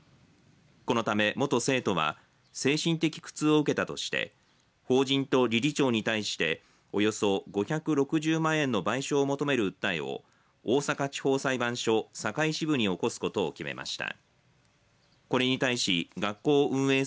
このため元生徒は精神的苦痛を受けたとして法人と理事長に対しておよそ５６０万円の賠償を求める訴えを大阪地方裁判所堺支部に起こすことを決めました。